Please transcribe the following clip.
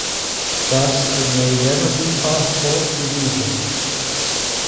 Thus it may never be possible to read them.